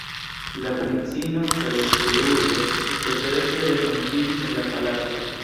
La princino kaj Zeŭso sekrete renkontiĝis en la palaco.